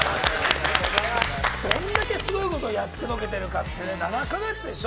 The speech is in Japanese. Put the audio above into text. どんだけすごいことをやってのけてるかって、７か月でしょ？